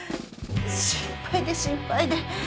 心配で心配で。